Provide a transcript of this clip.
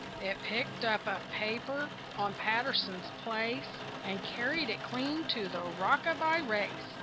It picked up a paper on Patterson's place And carried it clean to the Rockaby Race.